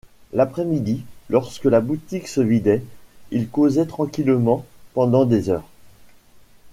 L’après-midi, lorsque la boutique se vidait, ils causaient tranquillement, pendant des heures.